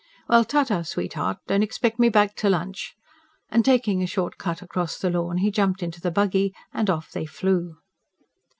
Well, ta ta, sweetheart! Don't expect me back to lunch." And taking a short cut across the lawn, he jumped into the buggy and off they flew.